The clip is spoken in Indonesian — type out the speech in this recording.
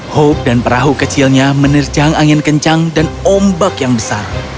hope dan perahu kecilnya menerjang angin kencang dan ombak yang besar